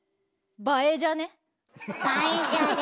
「映えじゃね？」。